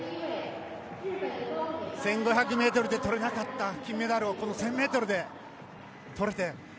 １５００ｍでとれなかった金メダルをこの１０００ｍでとれて。